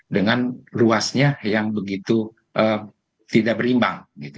dengan luasnya yang begitu tidak berimbang